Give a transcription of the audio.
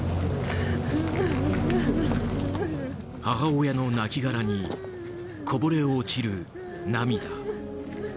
母親の亡きがらにこぼれ落ちる涙。